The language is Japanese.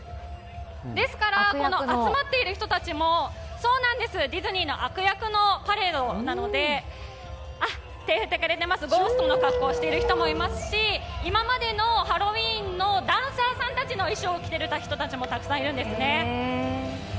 ですからこの集まっている人たちもディズニーの悪役のパレードなので手を振ってくれてます、ゴーストの格好をしている人もいますし、今までのハロウィーンの男装さんたちの衣装を着てくれたかたもいるんですね。